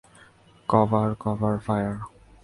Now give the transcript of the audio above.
Cover, cover fire.